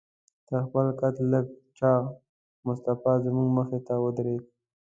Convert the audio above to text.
تر خپل قد لږ چاغ مصطفی زموږ مخې ته ودرېد.